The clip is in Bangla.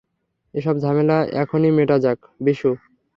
এসব ঝামেলা এখনই মেটা যাক, বিশু।